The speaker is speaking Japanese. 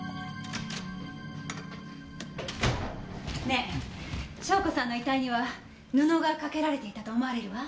ねぇ笙子さんの遺体には布が掛けられていたと思われるわ。